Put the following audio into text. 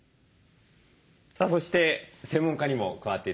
さあそして専門家にも加わって頂きます。